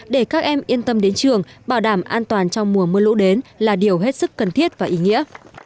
để các em yên tâm đến trường bảo đảm an toàn trong mùa mưa lũ đến là điều hết sức cần thiết và ý nghĩa